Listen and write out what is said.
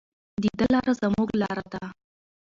د ده لاره زموږ لاره ده.